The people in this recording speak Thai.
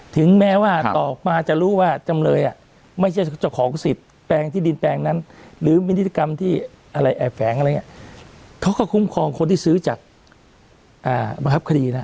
ถึงแม้ว่าต่อมาจะรู้ว่าจำเลยไม่ใช่เจ้าของสิทธิ์แปลงที่ดินแปลงนั้นหรือมินิติกรรมที่อะไรแอบแฝงอะไรอย่างนี้เขาก็คุ้มครองคนที่ซื้อจากบังคับคดีนะ